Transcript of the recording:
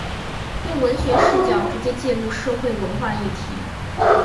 用文学视角直接介入社会文化议题。